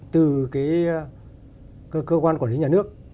từ cái cơ quan quản lý nhà nước